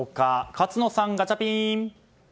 勝野さん、ガチャピン。